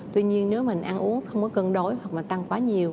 tuy nhiên nếu mình ăn uống không có cân đối hoặc tăng quá nhiều